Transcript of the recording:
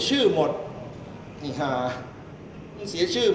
ฮอร์โมนถูกต้องไหม